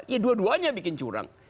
ya dua duanya bikin curang